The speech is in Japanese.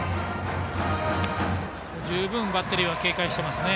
十分、バッテリーは警戒していますね。